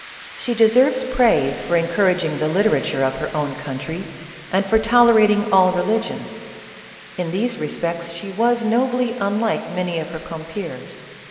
She deserves praise for encouraging the literature of her own country, and for tolerating all religions ; in these respects she was nobly unlike many of her compeers.